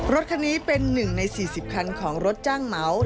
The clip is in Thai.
รถคันนี้เป็น๑ใน๔๐คันของรถจ้างเหมา